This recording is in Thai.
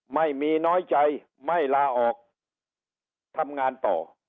ไม่มีน้อยใจไม่ลาออกทำงานต่อ